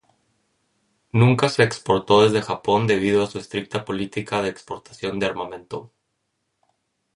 Nunca se exportó desde Japón debido a su estricta política de exportación de armamento.